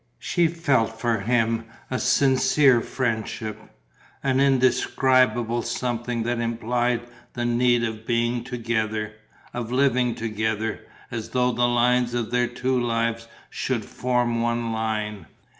She felt for him a sincere friendship, an indescribable something that implied the need of being together, of living together, as though the lines of their two lives should form one line.